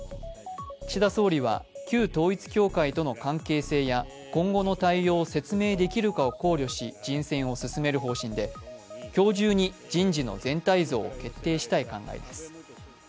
岸田総理は旧統一教会との関係性や今後の対応を説明できるかを考慮し人選を進める方針で今日中に人事の全体像を決定したい考えです。